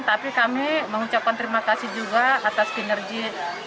tapi kami mengucapkan terima kasih juga atas kinerja